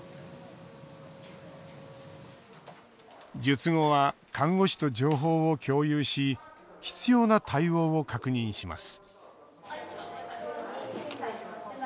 術後は看護師と情報を共有し必要な対応を確認します